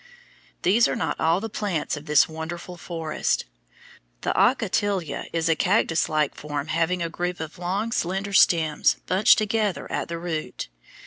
These are not all the plants of this wonderful forest. The ocatilla is a cactus like form having a group of long slender stems bunched together at the root.